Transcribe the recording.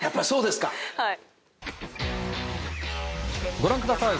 ご覧ください。